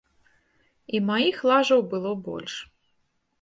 І маіх лажаў было больш.